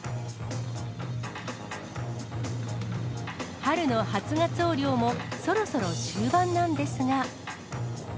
春の初ガツオ漁も、そろそろ終盤なんですが。